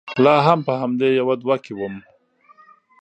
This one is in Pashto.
لا هم په همدې يوه دوه کې ووم.